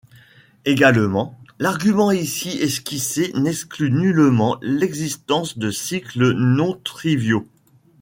Également, l'argument ici esquissé n'exclut nullement l'existence de cycles non triviaux.